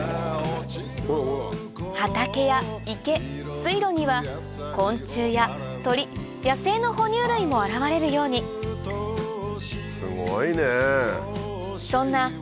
畑や池水路には昆虫や鳥野生の哺乳類も現れるようにすごいね！